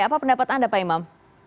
apa pendapat anda pak imam